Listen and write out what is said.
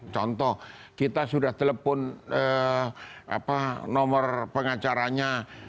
contoh kita sudah telepon nomor pengacaranya